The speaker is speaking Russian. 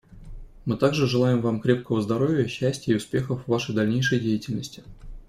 Мы также желаем Вам крепкого здоровья, счастья и успехов в Вашей дальнейшей деятельности.